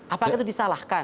apakah itu disalahkan